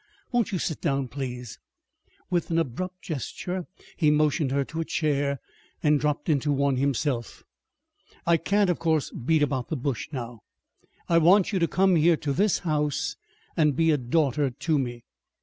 Won't you sit down, please." With an abrupt gesture he motioned her to a chair, and dropped into one himself. "I can't, of course, beat about the bush now. I want you to come here to this house and be a daughter to me.